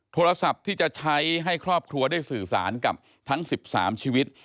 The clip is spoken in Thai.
โทรศัพท์ที่จะใช้ให้ครอบครัวได้สื่อสารกับทั้ง๑๓ชีวิต